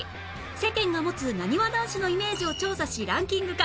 世間が持つなにわ男子のイメージを調査しランキング化